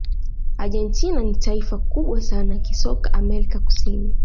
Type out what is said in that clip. argentina ni taifa kubwa sana kisoka amerika kusini